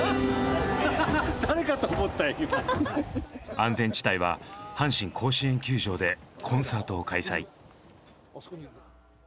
安全地帯は阪神甲子園球場でコンサートを開催。